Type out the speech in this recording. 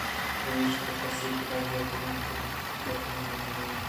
پمیشا کس پرآئی ءِ کُمکّ ءَ درنیتک